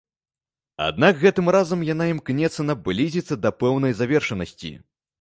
Аднак гэтым разам яна імкнецца наблізіцца да пэўнай завершанасці.